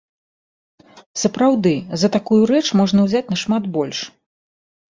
Сапраўды, за такую рэч можна ўзяць нашмат больш.